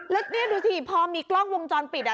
แล้วนี่ดูสิพอมีกล้องวงจรปิด